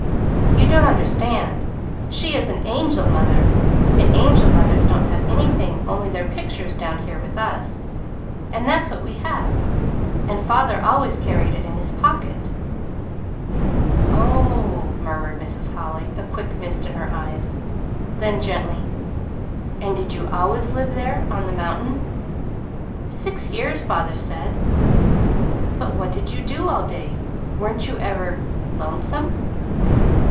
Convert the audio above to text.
"You don't understand. She is an angel mother, and angel mothers don't have anything only their pictures down here with us. And that's what we have, and father always carried it in his pocket." "Oh h," murmured Mrs. Holly, a quick mist in her eyes. Then, gently: "And did you always live there on the mountain?" "Six years, father said." "But what did you do all day? Weren't you ever lonesome?"